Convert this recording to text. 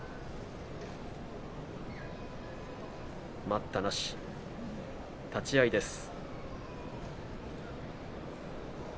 待ったなし立ち合いです。